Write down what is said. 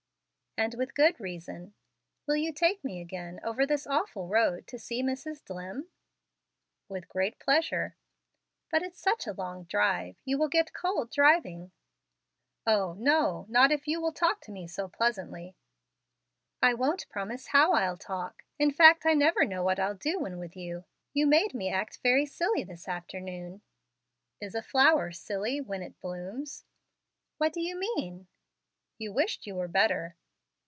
"And with good reason. Will you take me again over this awful road to see Mrs. Dlimm?" "With great pleasure." "But it's such a long drive! You will get cold driving." "O, no! not if you will talk to me so pleasantly." "I won't promise how I'll talk. In fact I never know what I'll do when with you. You made me act very silly this afternoon." "Is a flower silly when it blooms?" "What do you mean?" "You wished you were better."